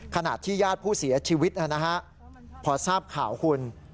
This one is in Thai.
ขณะที่ญาติผู้เสียชีวิตนะฮะพอทราบข่าวคุณ